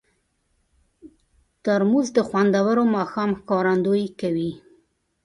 ترموز د خوندور ماښام ښکارندویي کوي.